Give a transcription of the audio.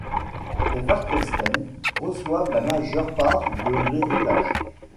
Les Falkenstein reçoivent la majeur part de l'héritage.